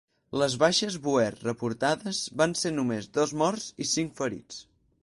Les baixes bòer reportades van ser només dos morts i cinc ferits.